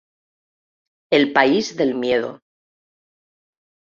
‘El país del miedo’.